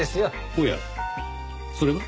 おやそれは？